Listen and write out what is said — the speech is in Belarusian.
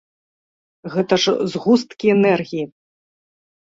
Гэта ж згусткі энергіі!